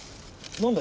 何だ？